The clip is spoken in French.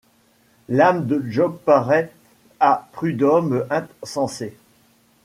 L'âme de Job paraît à Prudhomme insensée